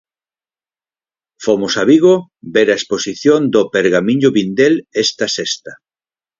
Fomos a Vigo ver a exposición do Pergamiño Vindel esta sexta.